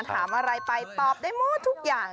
ถามอะไรไปตอบได้หมดทุกอย่าง